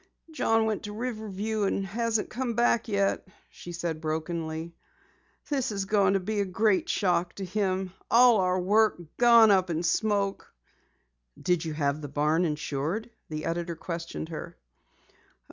"John went to Riverview and hasn't come back yet," she said brokenly. "This is going to be a great shock to him. All our work gone up in smoke!" "Didn't you have the barn insured?" the editor questioned her.